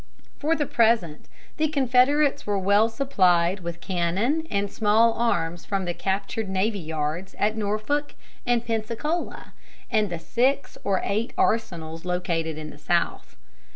For the present the Confederates were well supplied with cannon and small arms from the captured navy yards at Norfolk and Pensacola and the six or eight arsenals located in the South.